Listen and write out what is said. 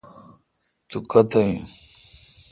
تو کتہ این؟